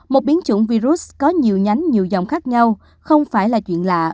một biến chủng virus có nhiều nhánh nhiều dòng khác nhau không phải là chuyện lạ